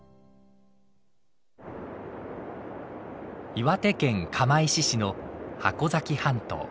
岩手県釜石市の箱崎半島。